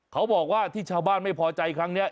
เขาบอกว่าที่ชาวบ้านไม่พอใจครั้งนี้